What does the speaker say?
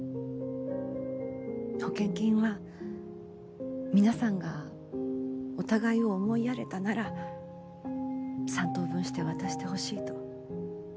保険金は皆さんがお互いを思いやれたなら３等分して渡してほしいと。